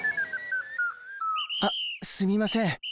あすみません。